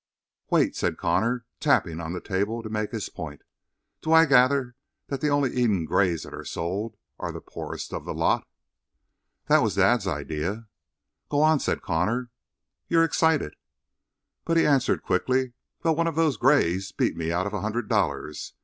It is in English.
"Wait," said Connor, tapping on the table to make his point. "Do I gather that the only Eden Grays that are sold are the poorest of the lot?" "That was Dad's idea." "Go on," said Connor. "You're excited?" But he answered quickly: "Well, one of those grays beat me out of a hundred dollars.